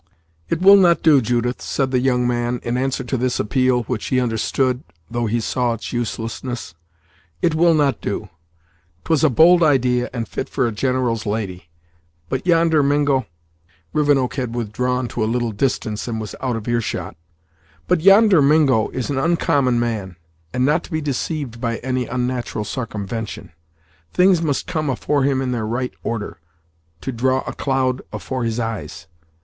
"It will not do, Judith," said the young man, in answer to this appeal, which he understood, though he saw its uselessness; "it will not do. 'Twas a bold idea, and fit for a general's lady, but yonder Mingo" Rivenoak had withdrawn to a little distance, and was out of earshot "but yonder Mingo is an oncommon man, and not to be deceived by any unnat'ral sarcumvention. Things must come afore him in their right order, to draw a cloud afore his eyes!